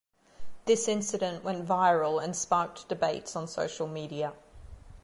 This incident went viral and sparked debates on social media.